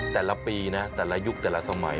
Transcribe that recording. แต่ละปีนะแต่ละยุคแต่ละสมัย